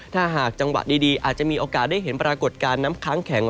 ถ้าหากจังหวะดีอาจจะมีโอกาสได้เห็นปรากฏการณ์น้ำค้างแข็ง